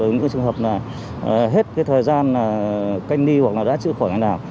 những trường hợp hết thời gian cách ly hoặc đã chứa khỏi ngày nào